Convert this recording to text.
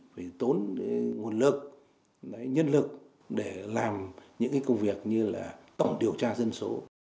phải tốn nguồn lực nhân lực để làm những cái công việc như là tổng điều tra dân số